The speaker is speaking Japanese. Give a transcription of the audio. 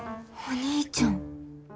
お兄ちゃん。